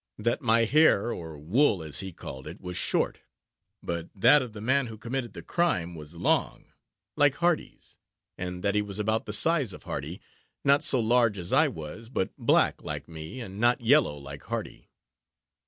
That my hair, or wool, as he called it, was short; but that of the man who committed the crime was long, like Hardy's, and that he was about the size of Hardy not so large as I was, but black like me, and not yellow like Hardy.